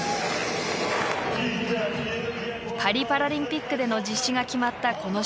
パリパラリンピックでの実施が決まったこの種目。